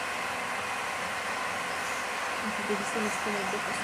Zde je něco velmi v nepořádku.